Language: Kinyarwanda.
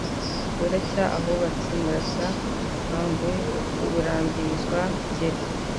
Bugacya ahubatse Murasa nkagwe I Burambirizwa-ngeri